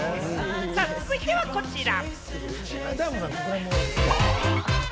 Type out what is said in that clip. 続いてはこちら。